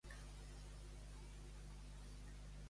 Ou la lliçó de ton pare i no deixes la llei de ta mare.